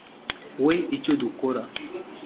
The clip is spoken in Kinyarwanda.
we icyo dukora